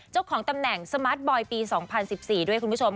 เจ้าของตำแหน่งสมาร์ทบอยปี๒๐๑๔ด้วยคุณผู้ชม